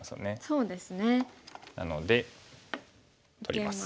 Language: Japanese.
なので取ります。